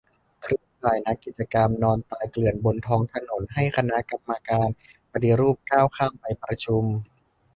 เครือข่ายนักกิจกรรม นอนตายเกลื่อนบนท้องถนน ให้คณะกรรมการปฏิรูปก้าวข้ามไปประชุม